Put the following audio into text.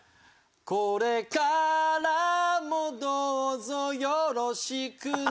「これからもどうぞよろしくね。」